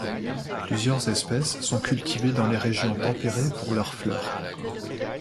Plusieurs espèces sont cultivées dans les régions tempérées pour leurs fleurs.